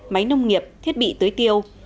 máy nông nghiệp thiết bị tưới tiêu